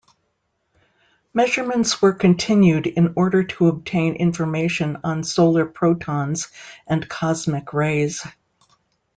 Measurements were continued in order to obtain information on solar protons and cosmic rays.